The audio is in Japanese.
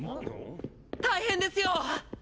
っ⁉大変ですよ！